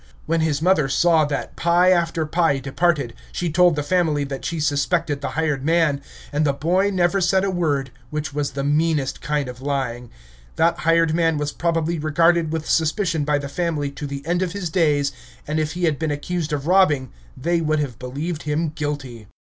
When his mother saw that pie after pie departed, she told the family that she suspected the hired man; and the boy never said a word, which was the meanest kind of lying. That hired man was probably regarded with suspicion by the family to the end of his days, and if he had been accused of robbing, they would have believed him guilty.